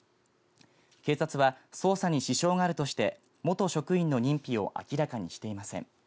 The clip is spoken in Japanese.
警察は捜査に支障があるとして元職員の認否を明らかにしていません。